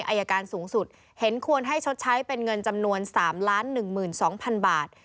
อายการสูงสุดเห็นควรให้ชดใช้เป็นเงินจำนวน๓๑๒๐๐๐บาท